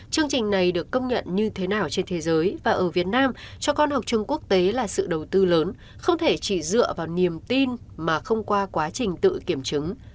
chương trình này được công nhận như thế nào trên thế giới và ở việt nam cho con học trường quốc tế là sự đầu tư lớn không thể chỉ dựa vào niềm tin mà không qua quá trình tự kiểm chứng